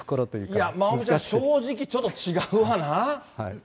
いや、まおみちゃん、正直違うわな。